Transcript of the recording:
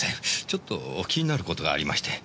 ちょっと気になる事がありまして。